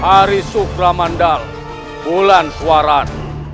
hari sukramandal bulan suwaran